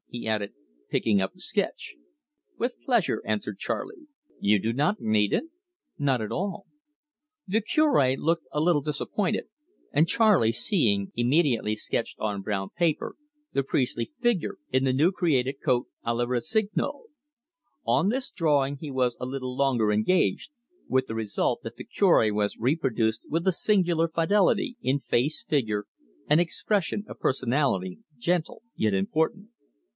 he added, picking up the sketch. "With pleasure," answered Charley. "You do not need it?" "Not at all." The Cure looked a little disappointed, and Charley, seeing, immediately sketched on brown paper the priestly figure in the new created coat, a la Rossignol. On this drawing he was a little longer engaged, with the result that the Cure was reproduced with a singular fidelity in face, figure, and expression a personality gentle yet important.